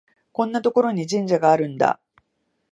こんなところに神社があるんだ